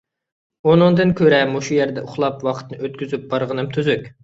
ئۇنىڭدىن كۆرە مۇشۇ يەردە ئۇخلاپ ۋاقىتنى ئۆتكۈزۈپ بارغىنىم تۈزۈك.